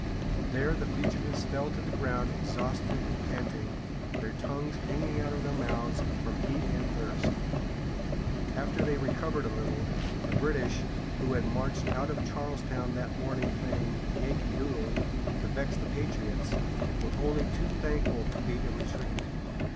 There the fugitives fell to the ground exhausted and panting, their tongues hanging out of their mouths from heat and thirst. After they recovered a little, the British, who had marched out of Charlestown that morning playing "Yankee Doodle" to vex the patriots, were only too thankful to beat a retreat.